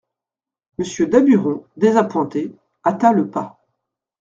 Monsieur Daburon, désappointé, hâta le pas.